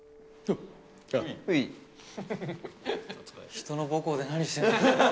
人の母校で何してんだ。